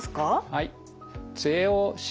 はい。